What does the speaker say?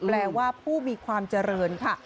แปลว่าผู้มีความเจริญค่ะ